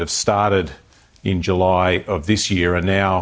yang mulai di juli tahun ini